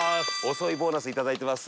遅いボーナスいただいてます。